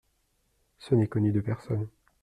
Ce n’est connu de personne.